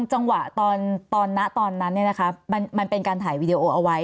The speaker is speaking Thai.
จังหวะตอนนั้นมันเป็นการถ่ายวีดีโอเอาไว้